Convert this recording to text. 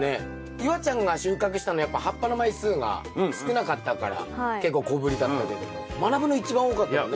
夕空ちゃんが収穫したのはやっぱ葉っぱの枚数が少なかったから結構小ぶりだったけどもまなぶの一番多かったもんね